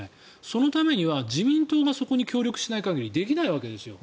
そのためには自民党がそこに協力しない限りできないわけですよ。